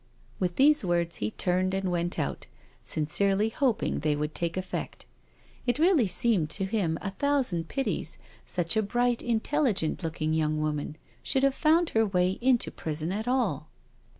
With these words he turned and went out, sincerely hoping they would take effect. It really seemed to him a thousand pities such a bright, intelligent looking young woman should have found her way into prison at all.